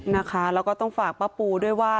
นะคะแล้วก็ต้องฝากป้าปูด้วยว่า